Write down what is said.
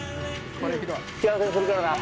幸せにするからな。